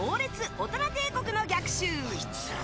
オトナ帝国の逆襲」。